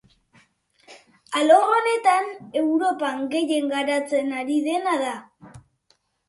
Alor honetan Europan gehien garatzen ari dena da.